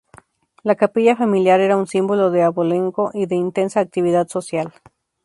La capilla familiar era un símbolo de abolengo y de intensa actividad social.